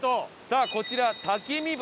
さあこちら滝見橋。